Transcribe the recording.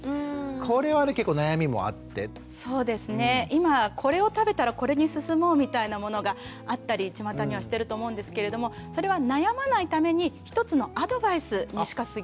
今これを食べたらこれに進もうみたいなものがあったりちまたにはしてると思うんですけれどもそれは悩まないために一つのアドバイスにしかすぎないんですよね。